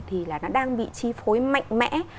thì nó đang bị chi phối mạnh mẽ